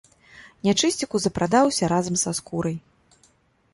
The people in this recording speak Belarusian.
Нячысціку запрадаўся разам са скурай.